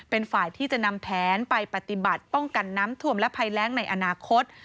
เป็นฝ่ายที่จะนำแผนไปปฏิบัติป้องกันน้ำท่วมและภัยแรงในอนาคต